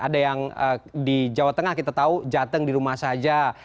ada yang di jawa tengah kita tahu jateng di rumah saja